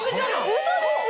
ウソでしょ？